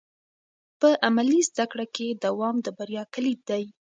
په عملي زده کړه کې دوام د بریا کلید دی.